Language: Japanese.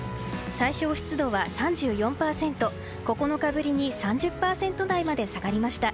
最小湿度は３４％９日ぶりに３０％台まで下がりました。